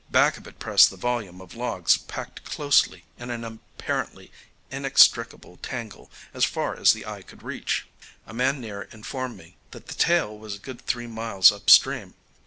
Back of it pressed the volume of logs packed closely in an apparently inextricable tangle as far as the eye could reach. A man near informed me that the tail was a good three miles up stream.